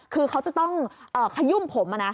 คือเขาจะต้องขยุ่มผม